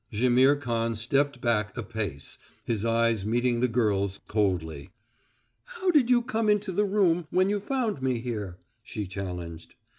Jaimihr Khan stepped back a pace, his eyes meeting the girl's coldly. "How did you come into the room when you found me here?" she challenged.